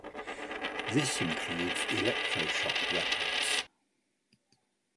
This includes electroshock weapons.